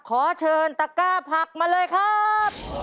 ขอเชิญตะก้าผักมาเลยครับ